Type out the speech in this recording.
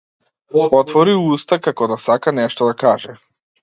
Отвори уста како да сака нешто да каже.